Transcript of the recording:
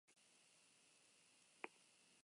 Laukizko paisaia landa herri batena da oraindik ere.